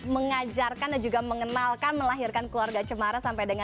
terima kasih emang